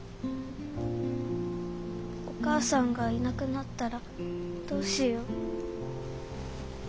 お母さんがいなくなったらどうしよう。